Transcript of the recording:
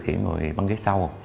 hiển ngồi băng ghế sau